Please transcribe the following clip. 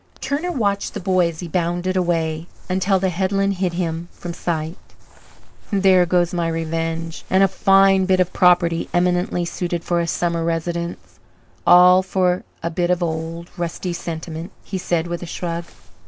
Turner watched the boy as he bounded away, until the headland hid him from sight. "There goes my revenge and a fine bit of property eminently suited for a summer residence all for a bit of old, rusty sentiment," he said with a shrug.